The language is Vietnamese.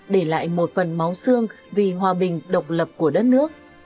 để lại một phần máu xương vì hòa bình độc lập của đất nước